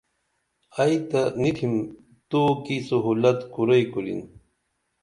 ائی تہ نی تِھم تو کی سہولت کُرئی کُرِن